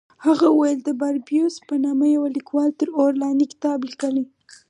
هغه وویل د باربیوس په نامه یوه لیکوال تر اور لاندې کتاب لیکلی.